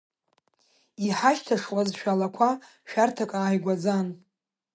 Иҳашьҭашуазшәа алақәа, шәарҭак ааигәаӡан.